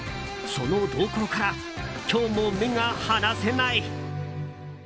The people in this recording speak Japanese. その動向から今日も目が離せない。